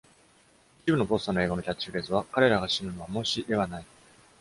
一部のポスターの映画のキャッチフレーズは、「彼らが死ぬのは「もし」ではない…